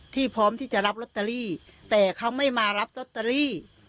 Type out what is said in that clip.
พร้อมที่จะรับลอตเตอรี่แต่เขาไม่มารับลอตเตอรี่